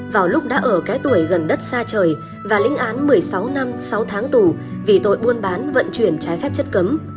vào lúc đã ở cái tuổi gần đất xa trời và lĩnh án một mươi sáu năm sáu tháng tù vì tội buôn bán vận chuyển trái phép chất cấm